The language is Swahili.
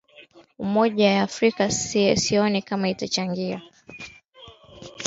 umoja ya afrika sioni kama itachangia kwa